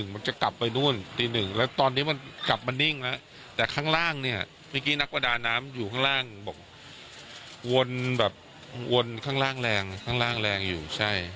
วนแบบวนข้างล่างแรงข้างล่างแรงอยู่ใช่